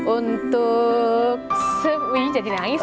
untuk wih jadi nangis